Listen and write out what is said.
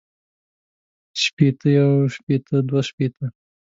شپېتۀ يو شپېته دوه شپېته